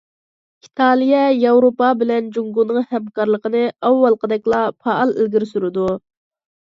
ئىتالىيە ياۋروپا بىلەن جۇڭگونىڭ ھەمكارلىقىنى ئاۋۋالقىدەكلا پائال ئىلگىرى سۈرىدۇ.